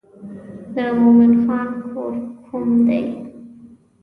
د مومن خان کور کوم دی.